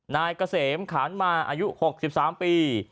นายเกษมขานมาอายุ๖๓ปี